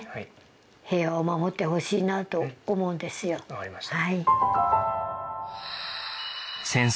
わかりました。